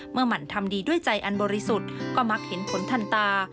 หมั่นทำดีด้วยใจอันบริสุทธิ์ก็มักเห็นผลทันตา